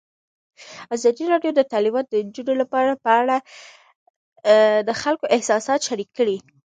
ازادي راډیو د تعلیمات د نجونو لپاره په اړه د خلکو احساسات شریک کړي.